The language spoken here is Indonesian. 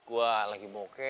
wah lagi bokeh